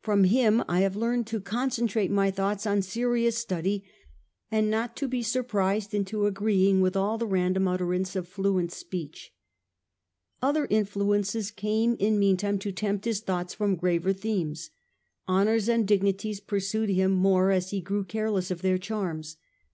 From him I have learned to concen trate my thoughts on serious study, and not to be surprised intoagreeing with all the random utterance of fluent speech.' Other influences came in meantime to tempt his Offices of thoughts from graver themes. Honours and state dignities pursued him more as he grew careless of their charms.